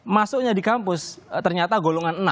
masuknya di kampus ternyata golongan enam